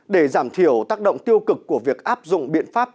để giảm thiểu tác động tiêu cực của việc áp dụng biện pháp